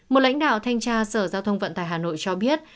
một lãnh đạo thanh tra sở giao thông vận tải hà nội cho biết